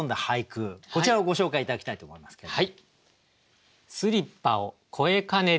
こちらをご紹介頂きたいと思いますけれども。